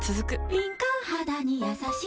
敏感肌にやさしい